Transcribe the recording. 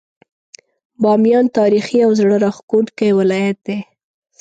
باميان تاريخي او زړه راښکونکی ولايت دی.